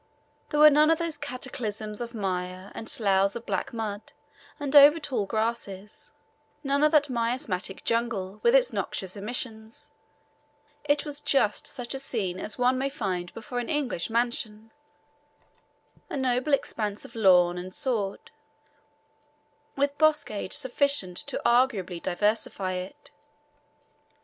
There were none of those cataclysms of mire and sloughs of black mud and over tall grasses, none of that miasmatic jungle with its noxious emissions; it was just such a scene as one may find before an English mansion a noble expanse of lawn and sward, with boscage sufficient to agreeably diversify it.